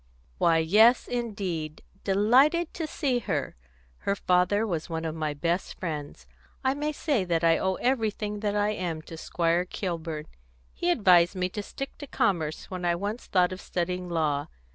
"Why, yes, indeed! Delighted to see her. Her father was one of my best friends. I may say that I owe everything that I am to Squire Kilburn; he advised me to stick to commerce when I once thought of studying law.